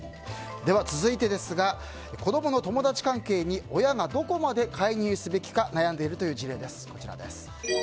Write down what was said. では続いてですが子供の友達関係に親がどこまで介入すべきか悩んでいるという事例です。